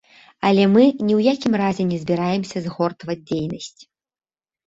Але мы ні ў якім разе не збіраемся згортваць дзейнасць.